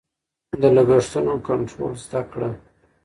د لګښتونو کنټرول زده کړه.